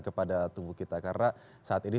kepada tubuh kita karena saat ini